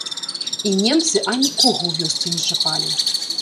І немцы анікога ў вёсцы не чапалі.